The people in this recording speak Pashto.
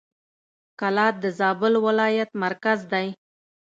کلات د زابل ولایت مرکز دی.